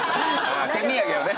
手土産をね。